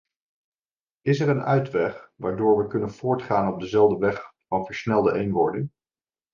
Is er een uitweg waardoor we kunnen voortgaan op dezelfde weg van versnelde eenwording?